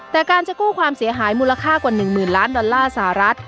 แต่การจะกู้ความเสียหายมูลค่ากว่า๑๐๐๐ล้านดอลลาร์สหรัฐ